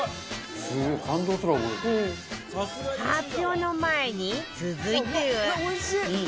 発表の前に続いては